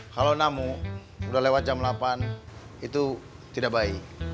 kalau namu sudah lewat jam delapan itu tidak baik